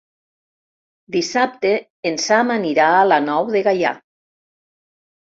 Dissabte en Sam anirà a la Nou de Gaià.